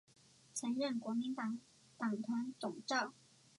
曾任国民党党团总召。